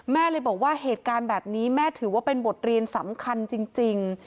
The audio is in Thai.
แม่เลยบอกว่าเหตุการณ์แบบนี้แม่ถือว่าเป็นบทเรียนสำคัญจริง